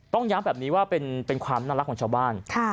ต้องย้ำแบบนี้ว่าเป็นความน่ารักของชาวบ้าน